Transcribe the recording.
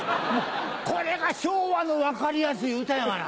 これが昭和の分かりやすい歌やがな。